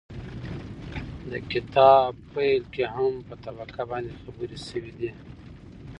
د کتاب پيل کې هم په طبقه باندې خبرې شوي دي